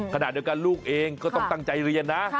ขณะเดียวกันลูกเองก็ต้องตั้งใจเรียนนะ